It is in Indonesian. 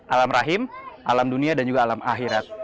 alam rahim alam dunia dan juga alam akhirat